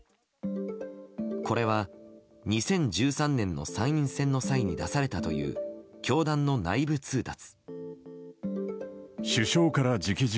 これは２０１３年の参院選の際に出されたという教団の内部通達。